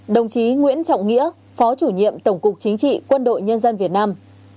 đồng chí nguyễn trọng nghĩa phó chủ nhiệm tổng cục chính trị quân đội nhân dân việt nam